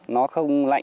nó không rõ ràng